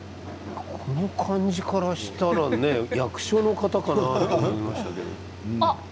この感じからしたら役所の方かなと思いましたけれども。